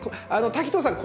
滝藤さん